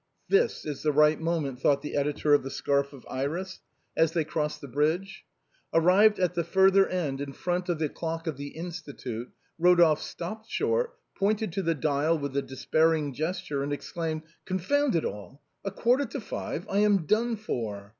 " This is the right moment," thought the editor of " The Scarf of Iris," as they crossed the bridge. Arrived at the further end in front of the clock of the Institute, Ro dolphe stopped short, pointed to the dial with a despairing gesture, and exclaimed :" Confound it all, a quarter to five ! I am done for."